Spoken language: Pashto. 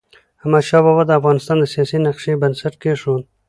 احمدشاه بابا د افغانستان د سیاسی نقشې بنسټ کيښود.